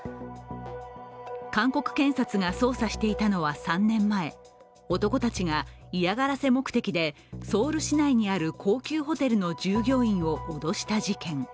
韓国検察が捜査していたのは３年前男たちが嫌がらせ目的でソウル市内にある高級ホテルの従業員を脅した事件。